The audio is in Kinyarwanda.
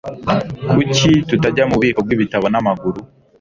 Kuki tutajya mububiko bwibitabo n'amaguru?